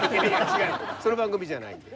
その番組じゃないんで。